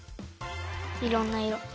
いろんないろ。